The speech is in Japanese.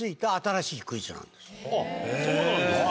あっそうなんですか。